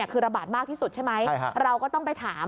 คือระบาดมากที่สุดใช่ไหมเราก็ต้องไปถาม